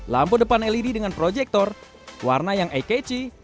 lampu depan led dengan proyektor warna yang eye catchy